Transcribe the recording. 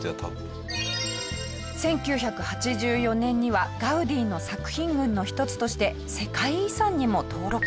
１９８４年にはガウディの作品群の一つとして世界遺産にも登録。